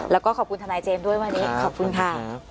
แล้วก็ขอบคุณทนายเจมส์ด้วยวันนี้ขอบคุณค่ะ